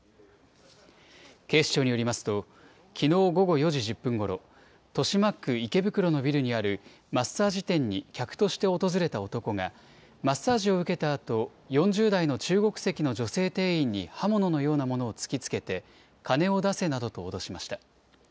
警視庁によりますと、きのう午後４時１０分ごろ、豊島区池袋のビルにあるマッサージ店に客として訪れた男が、マッサージを受けたあと、４０代の中国籍の女性店員に刃物のようなものを突きつけて、金を出せなどと脅しました。